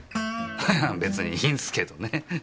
ハハハ別にいいんすけどね。